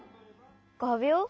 がびょう？